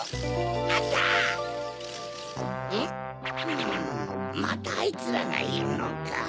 うんまたあいつらがいるのか。